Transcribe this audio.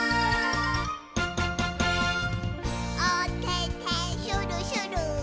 「おててしゅるしゅるっ」